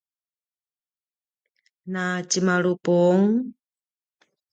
na tjemalupung?